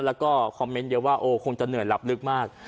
แล้วก็คอมเมนต์เยอะว่าโอ้คงจะเหนื่อยหลับลึกมาก